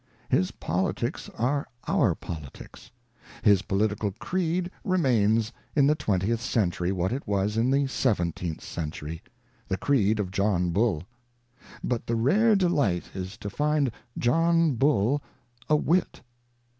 His politics are our politics ; his political creed remains in the Twentieth Century what it was in the Seventeenth Century, the creed of John Bull. But the rare delight is to find John Bull a wit